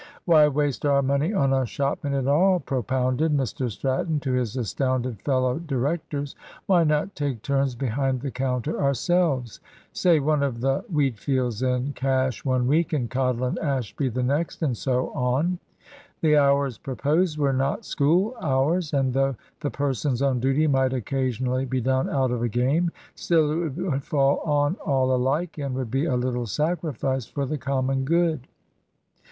"Why waste our money on a shopman at all?" propounded Mr Stratton to his astounded fellow directors. "Why not take turns behind the counter ourselves; say one of the Wheatfields and Cash one week, and Cottle and Ashby the next, and so on? The hours proposed were not school hours; and though the persons on duty might occasionally be done out of a game, still it would fall on all alike, and would be a little sacrifice for the common good."